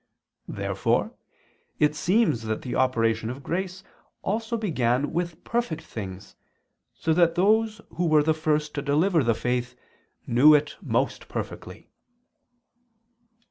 Therefore it seems that the operation of grace also began with perfect things, so that those who were the first to deliver the faith, knew it most perfectly.